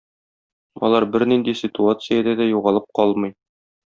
Алар бернинди ситуациядә дә югалып калмый.